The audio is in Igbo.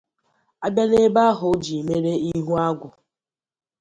A bịa n'ebe ahụ o jiri mere ihu agwụ